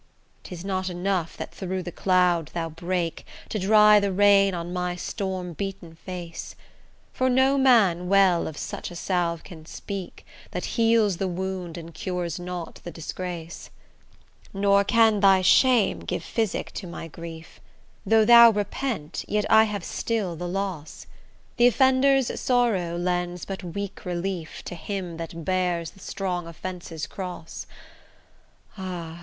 'Tis not enough that through the cloud thou break, To dry the rain on my storm beaten face, For no man well of such a salve can speak, That heals the wound, and cures not the disgrace: Nor can thy shame give physic to my grief; Though thou repent, yet I have still the loss: The offender's sorrow lends but weak relief To him that bears the strong offence's cross. Ah!